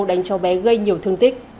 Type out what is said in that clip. đánh cho bé gây nhiều thương tích